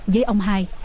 với ông hai